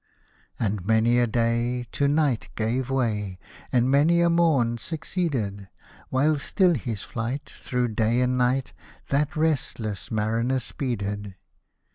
And many a day To night gave way. And many a morn succeeded : While still his flight, Through day and night. That restless mariner speeded.